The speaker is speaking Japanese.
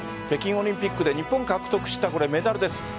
北京オリンピックで日本が獲得したメダルです。